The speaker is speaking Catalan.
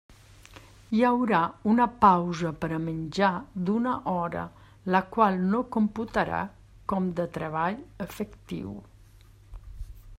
Hi haurà una pausa per a menjar d'una hora, la qual no computarà com de treball efectiu.